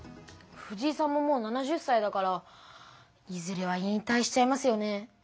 藤井さんももう７０さいだからいずれは引たいしちゃいますよね。